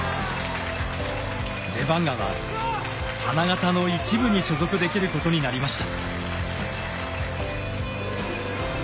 レバンガは花形の１部に所属できることになりました。